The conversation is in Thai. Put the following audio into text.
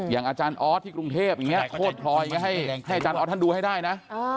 อย่างอาจารย์ออสที่กรุงเทพย์อย่างเนี่ยโทษพลอยให้อาจารย์ออสท่านดูให้ได้นะ